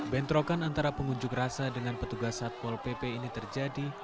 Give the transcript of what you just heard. bentrokan antara pengunjuk rasa dengan petugas satpol pp ini terjadi